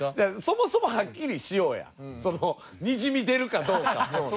そもそもはっきりしようやにじみ出るかどうかまず。